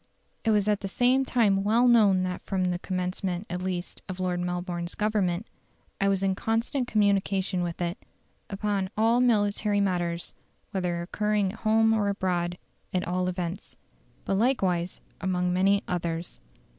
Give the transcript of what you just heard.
It was at the same time well known that from the commencement at least of Lord Melbourne's Government, I was in constant communication with it, upon all military matters, whether occurring at home or abroad, at all events. But likewise upon many others."